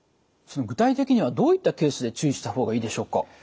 具体的にはどういったケースで注意したほうがいいでしょうか？